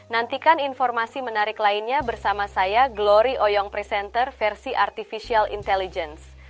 nantikan informasi menarik lainnya bersama saya glory oyong presenter versi artificial intelligence